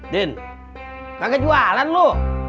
din kagak jualan lu